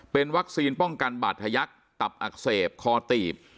เป็นวัคซีนป้องกันบาดทะยักษ์ตับอักเสบคอตีบ